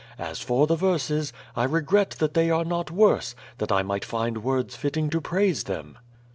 As for the verses, I regret that they are not worse, that I might find words fitting to praise them."